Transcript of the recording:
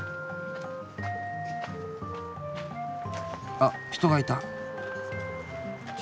あっ人がいた。